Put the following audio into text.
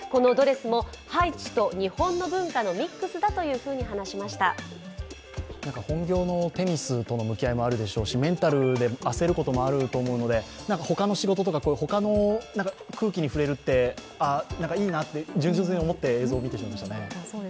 この衣装について大坂なおみさんは本業のテニスとの向き合いもあるでしょうしメンタルで焦ることもあると思うので他の仕事とか、他の空気に触れるっていいなって、純粋に思って映像を見てしまいましたね。